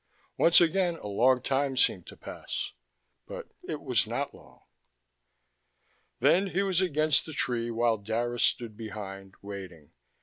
Once again a long time seemed to pass, but it was not long. Then he was against the tree while Dara stood behind, waiting.